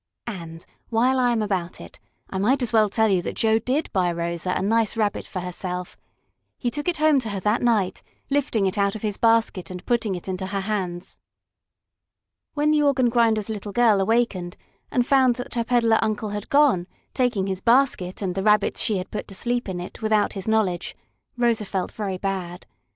And, while I am about it, I might as well tell you that Joe did buy Rosa a nice Rabbit for herself. He took it home to her that night, lifting it out of his basket and putting it into her hands. When the organ grinder's little girl awakened and found that her peddler uncle had gone, taking his basket and the Rabbit she had put to sleep in it without his knowledge, Rosa felt very bad.